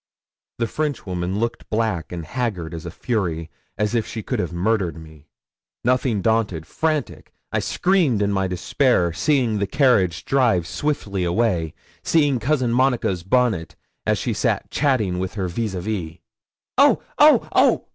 The Frenchwoman looked black and haggard as a fury, as if she could have murdered me. Nothing daunted frantic I screamed in my despair, seeing the carriage drive swiftly away seeing Cousin Monica's bonnet, as she sat chatting with her vis à vis. 'Oh, oh, oh!'